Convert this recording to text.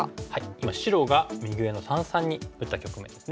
今白が右上の三々に打った局面ですね。